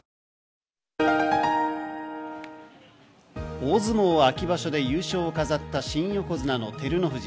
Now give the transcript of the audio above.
大相撲・秋場所で優勝を飾った新横綱の照ノ富士。